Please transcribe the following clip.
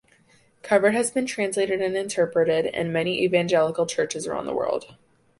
Covered has been translated and interpreted in many evangelical churches around the world.